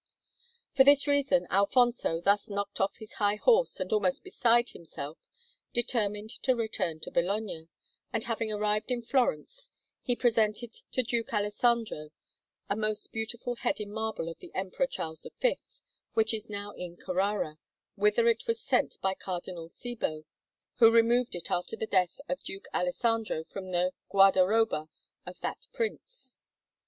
For this reason Alfonso, thus knocked off his high horse and almost beside himself, determined to return to Bologna; and, having arrived in Florence, he presented to Duke Alessandro a most beautiful head in marble of the Emperor Charles V, which is now in Carrara, whither it was sent by Cardinal Cibo, who removed it after the death of Duke Alessandro from the guardaroba of that Prince.